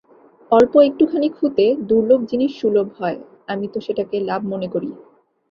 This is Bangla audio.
অল্প একটুখানি খুঁতে দুর্লভ জিনিস সুলভ হয়, আমি তো সেটাকে লাভ মনে করি।